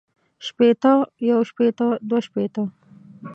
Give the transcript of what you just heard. شپېتۀ يو شپېته دوه شپېته